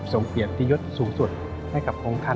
เกียรติยศสูงสุดให้กับองค์ท่าน